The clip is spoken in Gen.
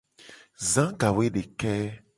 Za gawoedeke.